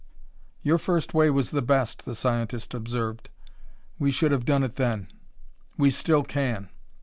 "Your first way was the best," the scientist observed; "we should have done it then. We still can."